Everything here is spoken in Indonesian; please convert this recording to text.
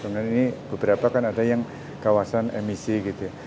kemudian ini beberapa kan ada yang kawasan emisi gitu ya